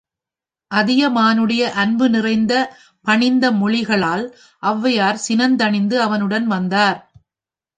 அதியமானுடைய அன்பு நிறைந்த, பணிந்த மொழிகளால் ஒளவையார் சினந்தணிந்து அவனுடன் வந்தார்.